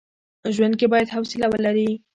ژوند کي بايد حوصله ولري.